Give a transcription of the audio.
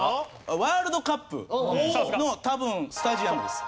ワールドカップの多分スタジアムです。